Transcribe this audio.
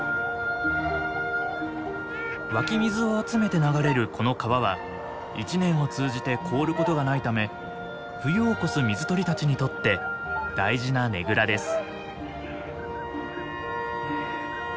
湧き水を集めて流れるこの川は一年を通じて凍ることがないため冬を越す水鳥たちにとって大事なねぐらです。